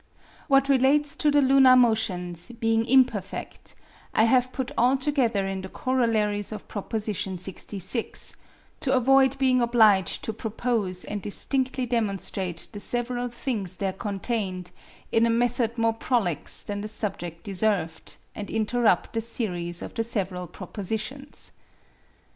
What relates to the lunar motions (being imperfect) I have put all together in the corollaries of proposition 66, to avoid being obliged to propose and distinctly demonstrate the several things there contained in a method more prolix than the subject deserved, and interrupt the series of the several propositions.